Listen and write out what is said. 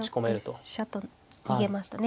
７六飛車と逃げましたね。